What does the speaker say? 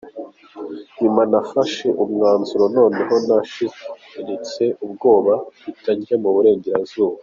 Nyuma nafashe umwanzuro noneho nashiritse ubwoba, mpita njya mu Burengerazuba.